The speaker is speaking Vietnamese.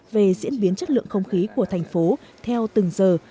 về diễn biến chất lượng không khí của thành phố theo từng giờ